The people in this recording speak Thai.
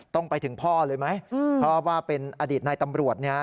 ต้องไปถึงพ่อเลยไหมเพราะว่าเป็นอดีตนายตำรวจเนี่ย